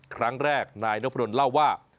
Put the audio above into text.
ครั้งแรกนายนพดลเล่าว่า